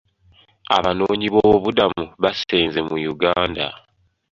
Abanoonyiboobubudamu baasenze mu Uganda.